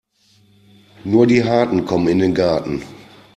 Nur die Harten kommen in den Garten.